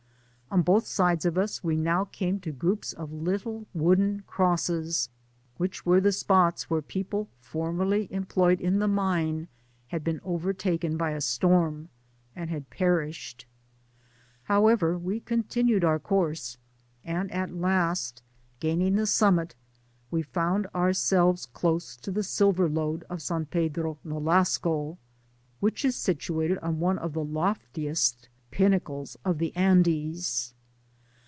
On both sides of us we now came to groups of little wooden crosses, which were the spots where people formerly em ployed in the mine had been overtaken by a storm, apd had perished. However, we continued our course ; and at last, gaining the summit, we found ourselves close to the silver lode of San Pedro Nolasco, which is situated on one of the loftiest pinnacles of the Andes.